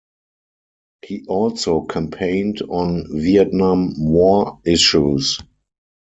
He also campaigned on Vietnam war issues.